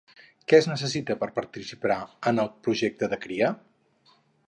Què es necessita per participar en el projecte de cria?